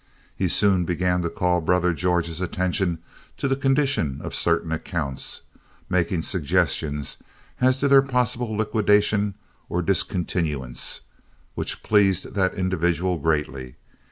He soon began to call Brother George's attention to the condition of certain accounts, making suggestions as to their possible liquidation or discontinuance, which pleased that individual greatly.